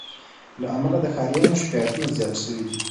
له امله د ښاریانو شکایتونه زیات سوي وه